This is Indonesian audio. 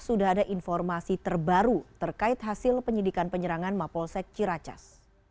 sudah ada informasi terbaru terkait hasil penyidikan penyerangan mapolsek ciracas